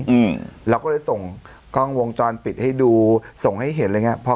อืมเราก็เลยส่งกล้องวงจรปิดให้ดูส่งให้เห็นอะไรอย่างเงี้พอ